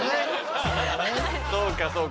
そうかそうか。